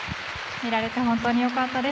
見られて本当に良かったです。